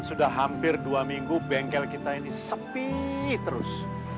sudah hampir dua minggu bengkel kita ini sepi terus